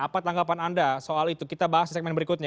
apa tanggapan anda soal itu kita bahas di segmen berikutnya